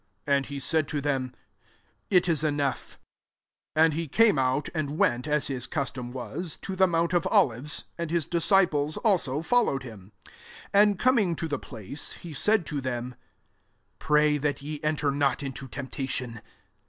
And he said to them, It is enough. 39 A And he came out, and went, as his custom was, to the mount of Olives; and his dis ciples also followed him. 40 And coming to the place, he said to them, " Pray that ye en ter not into temptation."